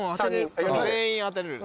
全員当てれる。